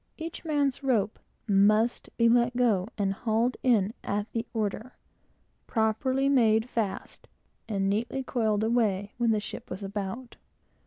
Each man's rope must be let go and hauled in at the order, properly made fast, and neatly coiled away when the ship was about.